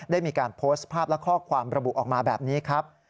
ได้มีการโพสต์ภาพและข้อความระบุออกมาแบบนี้ครับ